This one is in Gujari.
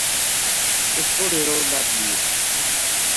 اس کو ڈیرو لَد لیو